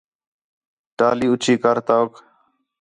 ٹالی اُچّی کر توک